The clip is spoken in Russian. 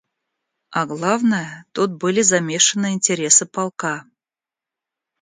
А главное, тут были замешаны интересы полка.